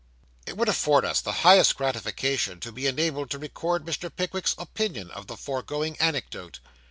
It would afford us the highest gratification to be enabled to record Mr. Pickwick's opinion of the foregoing anecdote.